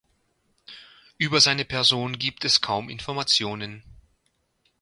Über seine Person gibt es kaum Informationen.